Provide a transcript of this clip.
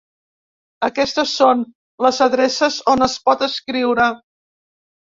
Aquestes són les adreces on es pot escriure.